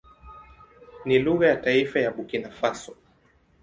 Ni lugha ya taifa ya Burkina Faso.